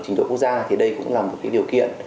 trình độ quốc gia thì đây cũng là một điều kiện